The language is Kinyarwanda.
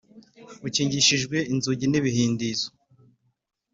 ukingishijwe inzugi n ‘ibihindizo .